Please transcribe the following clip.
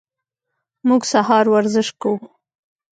موږ سهار ورزش کوو.